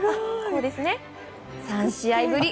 ３試合ぶり